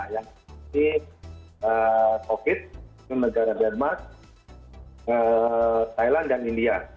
yang ini covid negara denmark thailand dan india